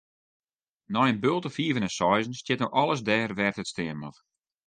Nei in bulte fiven en seizen stiet no alles dêr wêr't it stean moat.